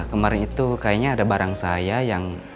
kemarin itu kayaknya ada barang saya yang